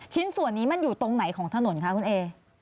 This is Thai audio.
ชิ้นส่วนนี้มันอยู่ตรงไหนของถนนคะคุณเอ